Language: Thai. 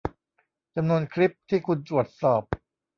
จำนวนคลิปที่คุณตรวจสอบ